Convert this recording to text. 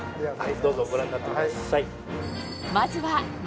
どうぞご覧になってください。